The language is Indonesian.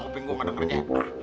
pinggul mana ternyata